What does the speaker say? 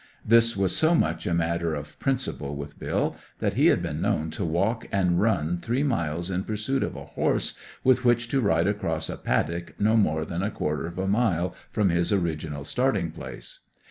This was so much a matter of principle with Bill that he had been known to walk and run three miles in pursuit of a horse with which to ride across a paddock no more than a quarter of a mile from his original starting place.